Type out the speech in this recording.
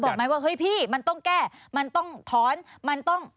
บอกไหมว่าเฮ้ยพี่มันต้องแก้มันต้องถอนมันต้อง